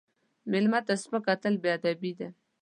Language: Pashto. مېلمه ته سپک کتل بې ادبي ده.